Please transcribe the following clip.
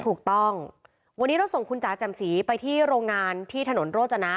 ถูกต้องวันนี้เราส่งคุณจ๋าแจ่มสีไปที่โรงงานที่ถนนโรจนะ